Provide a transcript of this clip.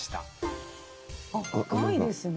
あっ深いですね